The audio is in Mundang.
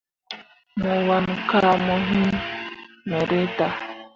Mo wan kah mo hiŋ me reta.